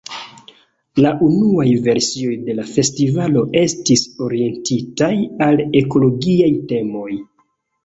La unuaj versioj de la festivalo estis orientitaj al ekologiaj temoj.